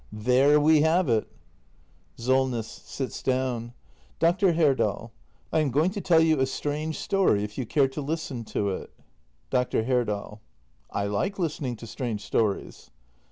there we have it! SOLNESS. [Sits down.] Doctor Herdal — I am going to tell you a strange story — if you care to listen to it. Dr. Herdal. I like listening to strange stories.